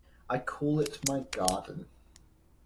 I call it my garden.